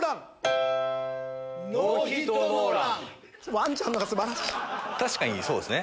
ワンちゃんのほうが素晴らしい。